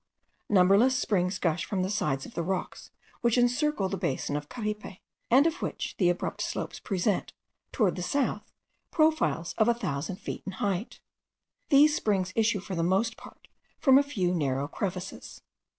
Numberless springs gush from the sides of the rocks which encircle the basin of Caripe, and of which the abrupt slopes present, towards the south, profiles of a thousand feet in height. These springs issue, for the most part, from a few narrow crevices.